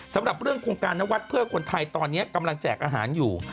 สำหรับเรื่องโครงการนวัดเพื่อคนไทยตอนนี้กำลังแจกอาหารอยู่